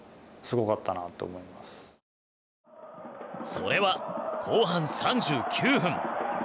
それは後半３９分。